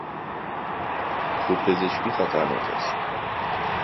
خود پزشکی خطرناک است.